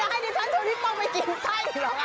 เมื่อกี้ฉันต้องไปกินไส้หรือเปล่า